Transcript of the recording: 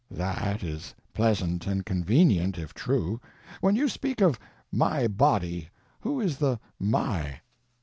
That is pleasant and convenient, if true. When you speak of "my body" who is the "my"?